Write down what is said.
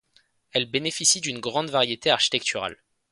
Elles bénéficient d'une grande variété architecturale.